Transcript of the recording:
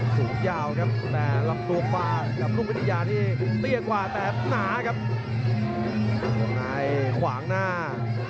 สูงยาวครับและหลับตัวฝ่าจำลุกวิทยาลัยที่เตรียดกว่าแต่หนากับใครขวางหน้า